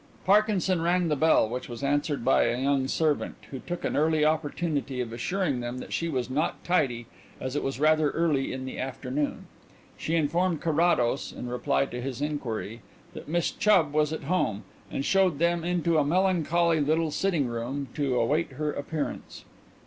Parkinson rang the bell, which was answered by a young servant, who took an early opportunity of assuring them that she was not tidy as it was rather early in the afternoon. She informed Carrados, in reply to his inquiry, that Miss Chubb was at home, and showed them into a melancholy little sitting room to await her appearance.